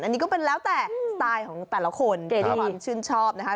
อันนี้ก็เป็นแล้วแต่สไตล์ของแต่ละคนที่ความชื่นชอบนะคะ